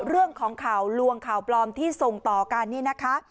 เรื่องของข่าวลวงข่าวปลอมที่ส่งต่อกันนี่นะคะ